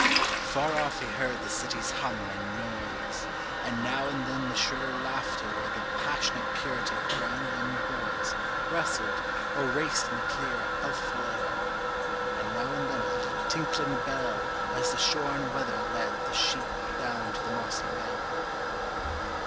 Far off he heard the city's hum and noise, And now and then the shriller laughter where The passionate purity of brown limbed boys Wrestled or raced in the clear healthful air, And now and then a little tinkling bell As the shorn wether led the sheep down to the mossy well.